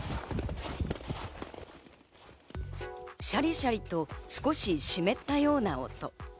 シャリシャリと少し湿ったような音。